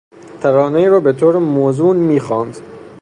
ترانهای را بهطور موزون میخواند.